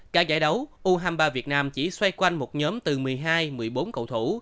cả giải đấu u hai mươi ba việt nam chỉ xoay quanh một nhóm từ một mươi hai một mươi bốn cầu thủ